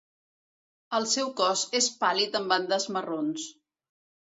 El seu cos és pàl·lid amb bandes marrons.